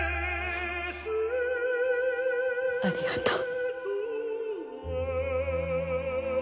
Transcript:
ありがとう。